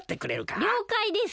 りょうかいです。